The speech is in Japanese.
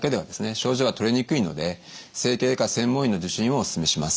症状は取れにくいので整形外科専門医の受診をお勧めします。